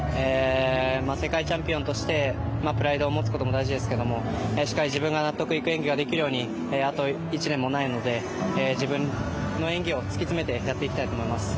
世界チャンピオンとしてプライドを持つことも大事ですがしっかり自分が納得できる演技ができるようにあと１年もないので自分の演技を突き詰めてやっていきたいと思います。